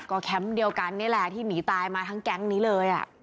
แคมป์เดียวกันนี่แหละที่หนีตายมาทั้งแก๊งนี้เลย